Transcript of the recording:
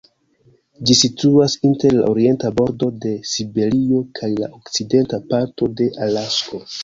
Ĝi situas inter la orienta bordo de Siberio kaj la okcidenta parto de Alasko.